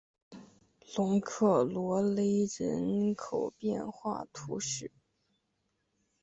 龙克罗勒人口变化图示